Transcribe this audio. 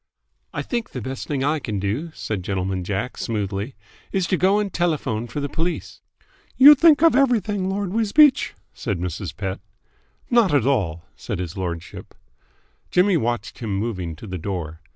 "I think the best thing I can do," said Gentleman Jack smoothly, "is to go and telephone for the police." "You think of everything, Lord Wisbeach," said Mrs. Pett. "Not at all," said his lordship. Jimmy watched him moving to the door.